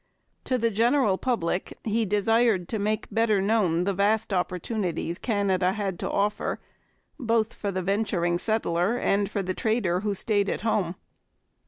To the general public he desired to make better known the vast opportunities Canada had to offer both for the venturing settler and for the trader who stayed at home.